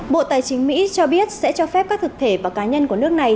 bộ tài chính mỹ cho biết sẽ cho phép các thực thể và cá nhân của nước này